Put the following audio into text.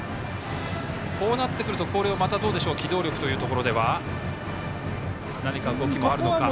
こうなってくると広陵また、機動力というところでは何か動きもあるのか。